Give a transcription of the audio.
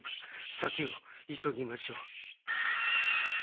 先を急ぎましょう。